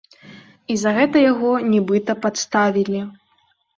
І за гэта яго, нібыта, падставілі.